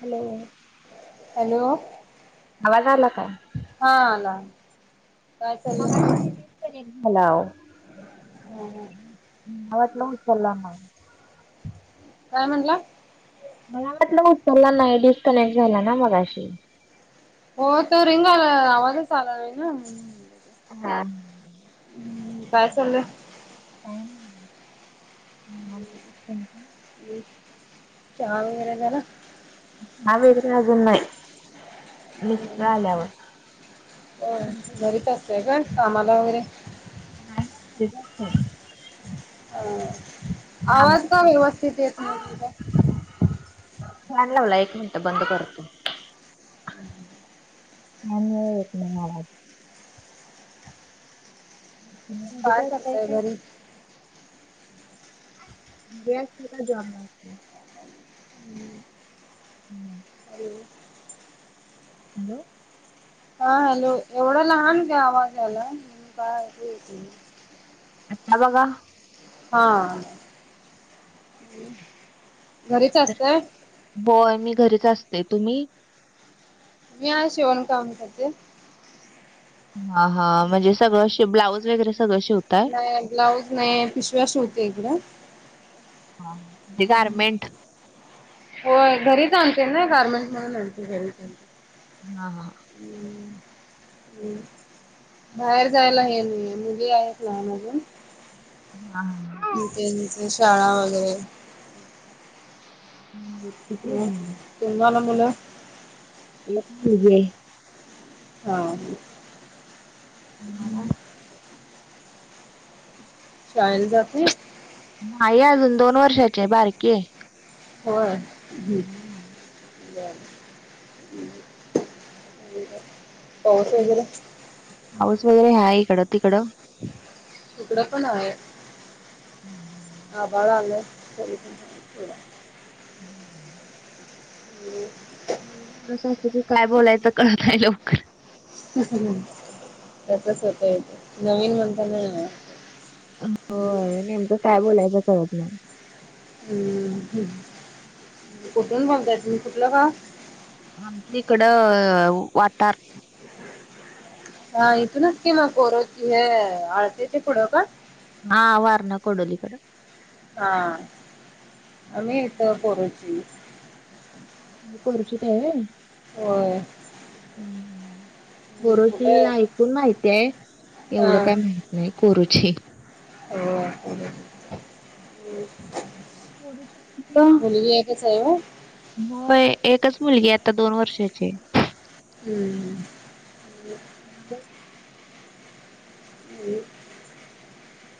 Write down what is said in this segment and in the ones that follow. Hello hello आवाज आला का हा आला काय मगाशी चाललंय डीसकनेक्ट झाला ओ आवाज ना उचलला ना काय म्हणला मला वाटलं उचला नाही डिस्कनेक्ट झाला ना मगाशी हो तर रिंग आला आवाजच आला नाही ना हम काय चाललंय हम्म चहा वगैरे झाला अजून नाही मिस्टर आल्यावर हो घरीच असतेय का कामाला वगैरे नाय घरीच असतय ह आवाज का व्यवस्थित येत नाहीत तुम्हचा फॅन लावले एक मिनिटं बंद करतो हम्- आणि येत नाही आवाज तुम्ही घरीच काय असताय करताय काय? घरी जॉब आहे हम् हॅलो हॅलो हा हॅलो एवढा लहान ग आवाज आला काय आता बघा हा घरीच असते होय मी घरीच असते तुम्ही मी आहे शिवण काम करते हा हा म्हणजे सगळं शी ब्लाउज वगैरे सगळं शेवत नाही ब्लाऊज नाही पिशव्या शिवते इकडें हा हा ते गारमेंट हो घरीच आणते ना गार्मेंट म्हणून आणते घरीच आणते हा हा हम्म बाहेर जायला हे म मुली आहेत लहान अजून हा हां इथेचे शाळा वगैरे हम्म तुम्हाला मुलं मला पण मुलगी आहे हां आम्हाला शाळेला जाती? नायी अजून दोन वर्षाचेयं बारकीेयं. होय हुं. बंर पाऊस वैगेरे? पाऊस वगैरे हाय इकडं. तिकडं? हिकडं पण हाय. [inaudible] आभाळ आलंय [inaudible] [inaudible] [inaudible] असं असलं की काय बोलायचं कळत नाय लवकर. [inaudible] तसंच होतंय नवीन म्हणतां नां होय नेमकं काय बोलायचं कळत नाय. हुं कुठून बोलताय तुम्ही कुठलं गाव? हामं तिकडं वातार. हां इथूनच की म कोरोची हें आळते च्या पुढं का? हां वारणा कोडोलीकडं. हां आम्ही इथं कोरोची. कोरोचीत हाय होय. होय. हुं कुठे कोरोची ऐकून माहितयं हा एवढं काय माहि नायी कोरोची. होय [inaudible] मुलगीयं. एकचयं होय? होय एकच मुलगीयं आता दोन वर्षाचीयं. Very good. [inaudible] आणि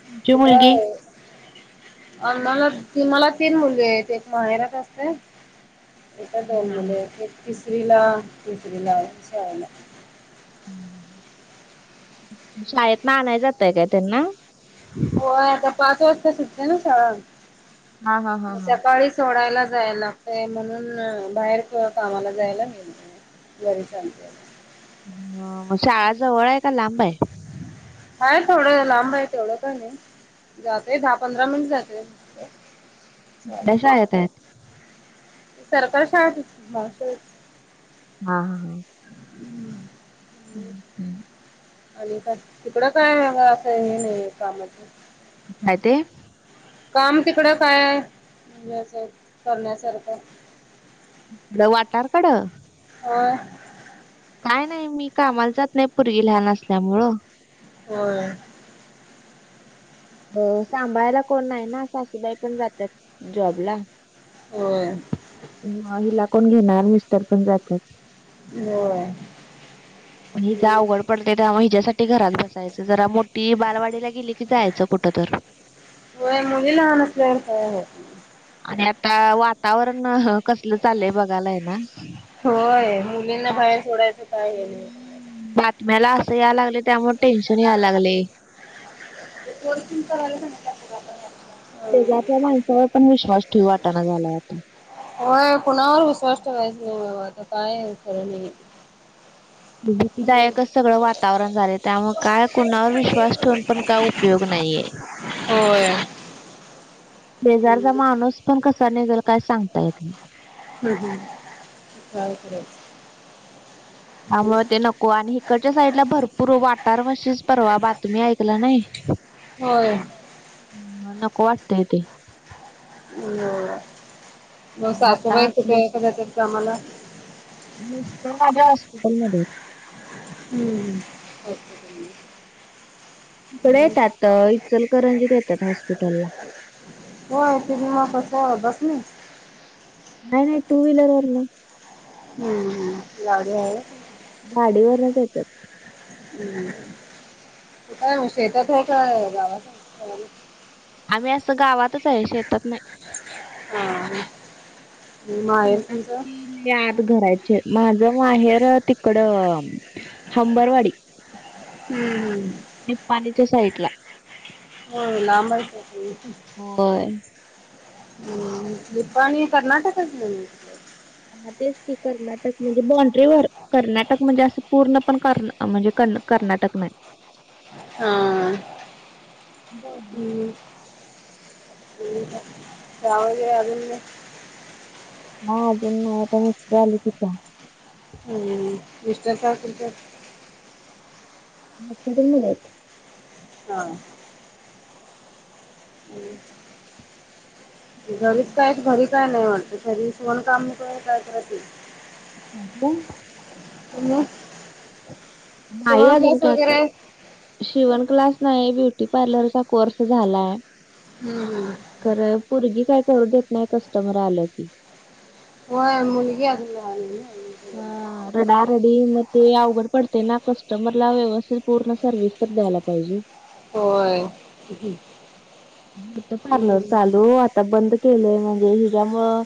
तुमची मुलगी? कुठायं? अन मला ती मला तीन मुलीयेंत एक माहेरात असते हित दोन हा हा मुलीयेत एक तिसरीला दुसरीला शाळला. हुं शाळेतंन आनाय जाताय काय त्यांना? होय आता पाच वाजता सुटते नां हा हा हा म हा. सकाळीच सोडायला जायला लागतयं म्हणून बाहेर कामाला जायला मिळत घरीच आणते हां शाळा जवळय का लांबयं? हाय थोडं लांबयं तेवढं काय नायी जातोय दहा पंधरा मिनिट जातय. कुठल्या शाळेत आहेत? [unintelligible] सरकारी शाळेत [inaudible] हां हां हां. हुं. हुं. आणि काय तिकडं काय असं हें नायी कामाचं? काय ते? काम तिकडं काय? [unintelligible] करण्यासारखं? त्या वाठार कडं? हां. काय नाही मी कामाल जात नाही पोरगी लहान असल्यामुळ. होय सांभाळायला कोण नाही ना सासूबाई पण जात्यात जॉब ला. होय हिला कोण घेणार मिस्टर पण जातात. होय हिच अवघड पडते त्यामुळ हिच्यासाठी घरात बसायच. जरा मोठी बालवाडीला गेली की जायाच कुठ तर. होय मुली लहान असल्यावर नाही होत. नाही आणि आता वातावरण कसल चालय बघायलाय ना. होय मुलींना बाहेर सोडायच काय हे नाही. बातम्याला अस यायला लागलय त्यामुळ टेन्शन यायला लागलय. ते [unintelligible] करायला सांगितलय [unintelligible] शेजारच्या माणसावर पण विश्वास ठेवू वाटाना झालाय आता. होय कुणावर विश्वास ठेवायचा नाही बाबा आता काय स [unintelligible] भीतीदायकच सगळ वातावरण झालय त्यामुळ काय कुणावर काय विश्वास ठेवून पण काय उपयोग नाहीये. होय शेजारचा माणूस पण कसा निघल काय सांगता येत नाही. हम्म हम्म त्यामुळ ते नको आणि हिकडच्या साईडला भरपूर वाटारवाशीच परवा बातमी ऐकला नाही. [inaudible] होय मग नको वाटतय ते. होय मग आता सासूबाई असले कुठे जातात कामाला? मिस [unintelligible] हॉस्पिटलमध्ये हम्म ओके इकडे येतात इचलकरंजीत येतात हॉस्पिटलला. हो आलो त्याच्यामुळे कस बस नी. नाहीय नाही टू व्हीलर वरण. हम्म हम्म गाडी आहे. गाडीवरच येतात. हम्म तू काय शेतात आहे काय गावात? आम्ही अस गावातच आहे शेतात नाही. हां हां मग माहेर तुमच? याद घरायचे माझ माहेर ते इकड हंबरवाडी. हम्म हम्म. निपाणीच्या साईडला. होय नाम [unintelligible] होय निपाणी कर्नाटकातल? मग तेच की कर्नाटक म्हणजे बाॉंड्रीवर, कर्नाटक म्हणजे अस पूर्ण पण कर म्हणजे क कर्नाटक नाही. हां हम्म [unintelligible] अजून हा अजून नाही आता मस्त आली की चहा. मिस्टर काय करतात? एक्झिटेट झाल्याय हितं. [unintelligible] म् घरीच कायच भारी, काय नाही वाटतं तूम्हाला काम [inaudible] हाकूम हॅलो नाही अजून काय करत. शिवण क्लांस नाहीं ब्युटी पार्लर चां कोर्स झालायं. हम्म हम्म खरं पोरगी कायं करूं देतं नाहीं कस्टमर आलं की. व्हयं मुलंगी अजून लहान आहं ना. हं रडारडी म ते अवघड पडतंय नां कस्टमर लां व्यवस्थित पूर्ण सर्व्हिस, तर द्यांयला पाहिजे. होय कुठं पार्लर चालूं आंता बंद केलंय म्हणजे हिच्यामुळं,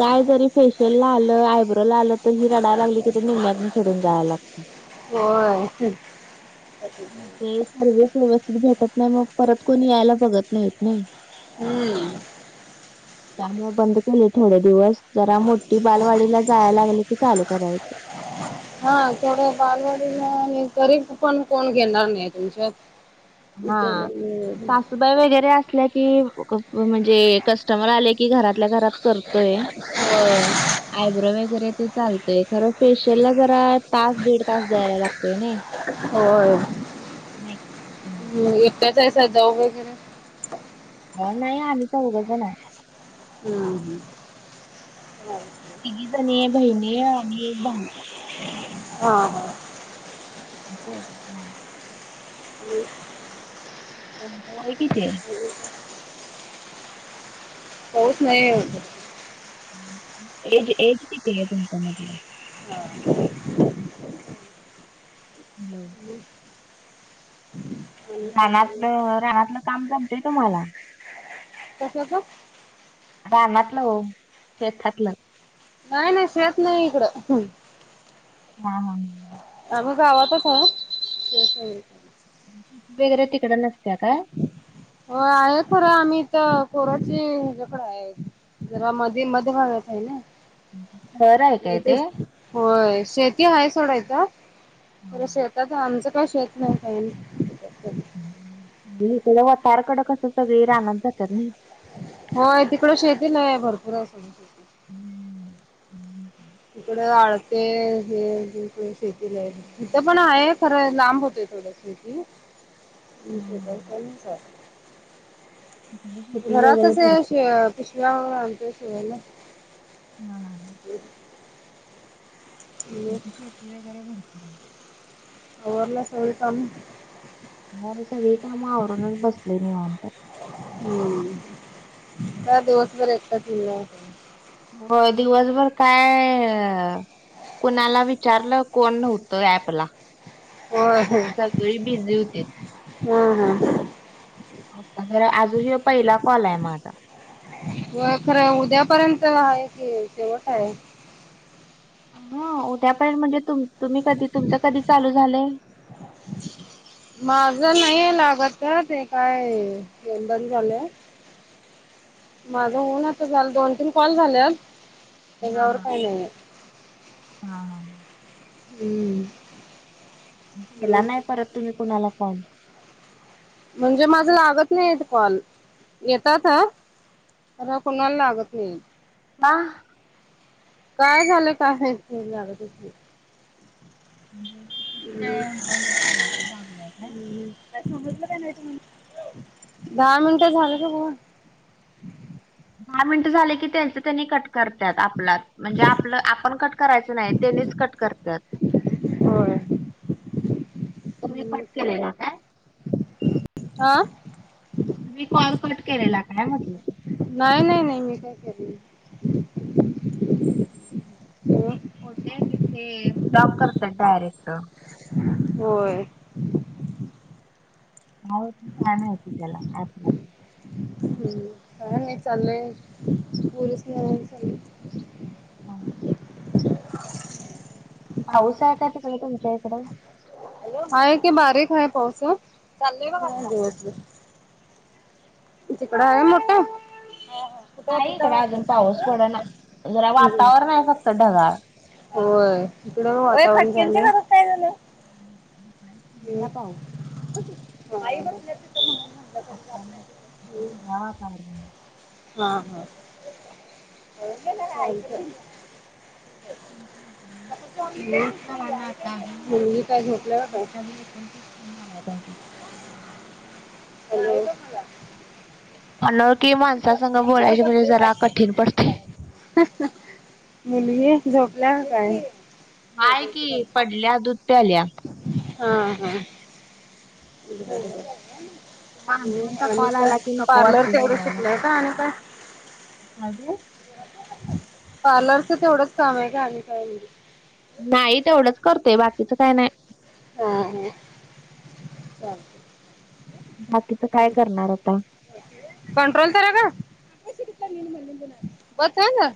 कायं जरी फेशियल लां आलं आयब्रो लां आलं तरी रडयांला लागली की ते निम्म्यातने सोडूंन जायंला लाग [unintelligible] होय. मंग ते सर्विस व्यवस्थित भेटतं नाहीं मंग परंत कोणी यांयला बघत, नाहीत नाही. हम्मं [unintelligible] त्यामुळे बंद केलंय थोडे दिवसं जरां मोठी बालवाडीला जायंला लागली की चालूं करायचं. [unintelligible] हां थोडं बालवाडीलां आणि तरी पणं कोणं घेणारं नाहीं तुमच्यांत? हां सासूंबाई वगैरें असल्यां कि कसं म्हणजे कस्टमर आल्या की, कि घरातल्यां घरांत करतोय. आयब्रो वगैरें ते चालतंय खरं फेशियल लां जरां तासं दीड तासं जायला लागतोय ने. होय. नाही का? कसं हाईसा जाऊ बाई तेण? काय नाहीं आम्हीं चौघ जणं आहं. हम्म हम्म. नाही. तिघी जणी बहिणी, आणि एक भाऊ. हां हां [unintelligible] [unintelligible] म वय किती आहं? पाऊसं नाहीं आहे इथं. एज एज किती आहे तुमचं म्हटलं? [unintelligible] [unintelligible] काय चाललंय रानातलं रानातलं कामं जमतेय तुम्हांला? कशाचं? रानातलं हो शेतातलं. नाहीं, नाहीं शेतं नाहीं इकडं. हां हां. आम्हीं गावांतच अहो, शेत नाही. वगैरें तिकड नसत्यां कायं? हो आहे खरं आम्हीं इथं पोरांच्या इकडे आहे. जरा मध्यें, मध्यें भागांयच आहे नां? घरं आहे कायं ते? होयं शेती आहे सोडायचं शेतांत आमच काय शेतं नाही काही. नाही इकड वतारकड कस सगळी राहत जातात नाही. हो तिकड शेती लय आहे भरपूर आहे शेती. हम्म हम् [inaudible] तिकडे आळते हे शेती द्यायला. इथं पण होय. आहे खरं लांब होतय थोड शेती हं. [unintelligible] इकडे शेती वगैरे घरातच आहे भरपूर शि पिशव्या आणत शिवायला. हा ह [inaudible] ह [inaudible] शेती वगैरे भनते [inaudible] [unintelligible] अरवली सगळी काम? आम्ही सगळी काम आवरूनच बसले निवांत. हम्म, काय दिवसभर एकट [unintelligible] होय, दिवसभर काय कोणाला विचारलं कोण होतं ऍपला? होय होय. सगळी बिझी होतेत. हम्म, हम्म. आता जरा अजून हे पहिला कॉल आहे माझा. होय खरं उद्यापर्यंत आहे कि शेवट आहे. हा उद्या पर्यंत म्हणजे तुम्ही कधी तुमच कधी चालू झालंय. माझं नाहीय लागत ते काय बंद झालंय. माझं होऊन आता झालं दोन, तीन कॉल झालेत. हा हा हा हा. हम्म. केला नाही परत तुम्ही कुणाला कॉल? म्हणजे माझं लागत नाहीेत कॉल येतात ह. माझा कोणाला लागत नाही. हा. काय झालं काय माहिती जाऊदे. म्हणजे तेच काय हे केलाय काय लाबलाय काय? समजलं का नाही दहा मिनिटं झालंका बोलून? दहा मिनट झाले की त्यांच त्यांनी कट करतात आपला म्हणजे आपलं आपण कट करायचं नाही तेनीच कट करत्यात. होय. तुम्ही कट केलेल काय? आ? मी कॉल कट केलेला काय म्हटलं? नाही, नाही, नाही मी नाही केलेला. होत ते ब्लॉक करतात डायरेक्ट? होय. आहेत छान आहे त्याला ऍप ला. हम्म, काय नाही चाललंय पोरिसनी घेऊन चालले. ह. हऊसा आहे का तिकडे तुमच्याकडे? हाय की बारीक हाय पाऊस [unintelligible] तिकड आहे मोठा? नाही इकड अजून पाऊस पडना जरा वातावरण आहे फक्त ढगाळ. होय इकडं वातावरण [unintelligible] [inaudible] [unintelligible] पाऊस आई बसल्यात तिथं म्हणून म्हंटल. [unintelligible] हा हा [unintelligible] [inaudible] [unintelligible] [inaudible] मुलगी काय झोपल्या का काय? [unintelligible] Thank you hello. अनोळखी माणसा संग बोलायच म्हणजे जरा कठीण पडतय. ह ह मुलगी झोपल्या का काय? हाय की, पडल्या दूध प्यायल्या. हा हा. [inaudible] माणसांचा आणि कॉल काय? आला की नको पार्लर वाटते तेवढं सुटलंय का आणि काय? अग ये पार्लरचं तेवढंच काम हाय काय आणि काय? नाही तेवढंच करतोय बाकीच काय नाय. हा हा चालतंय. बाकीच काय करणार आता? कंट्रोल तरी कर वर चढन.